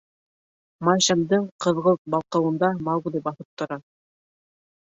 Майшәмдең ҡыҙғылт балҡыуында Маугли баҫып тора.